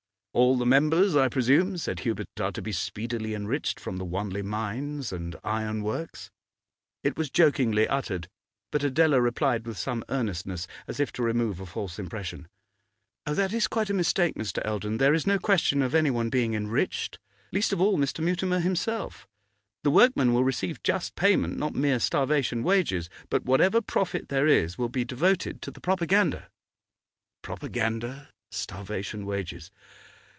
'All the members, I presume,' said Hubert, 'are to be speedily enriched from the Wanley Mines and Iron Works?' It was jokingly uttered, but Adela replied with some earnestness, as if to remove a false impression. 'Oh, that is quite a mistake. Mr. Eldon. There is no question of anyone being enriched, least of all Mr. Mutimer himself. The workmen will receive just payment, not mere starvation wages, but whatever profit there is will be devoted to the propaganda.' 'Propaganda! Starvation wages!